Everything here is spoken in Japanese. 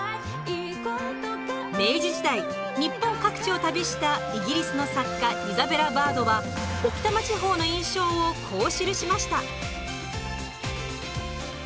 明治時代日本各地を旅したイギリスの作家イザベラ・バードは置賜地方の印象をこう記しました。